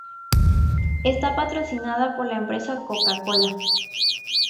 Está patrocinada por la empresa Coca-Cola.